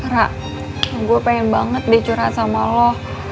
ra gue pengen banget dicurah sama lo